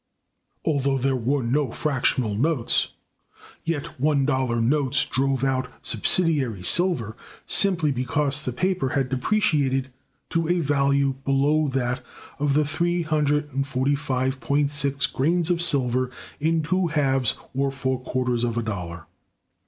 Although there were no fractional notes, yet one dollar notes drove out subsidiary silver, simply because the paper had depreciated to a value below that of the 345.6 grains of silver in two halves or four quarters of a dollar.